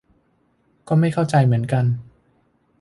ก็ไม่เข้าใจเหมือนกัน